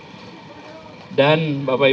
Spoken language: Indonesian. saya il cousin badan kembali